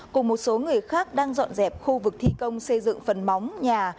cùng một số người khác đang dọn dẹp khu vực thi công xây dựng phần móng nhà